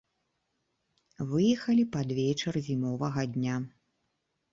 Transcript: Выехалі пад вечар зімовага дня.